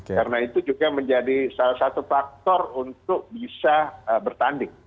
karena itu juga menjadi salah satu faktor untuk bisa bertanding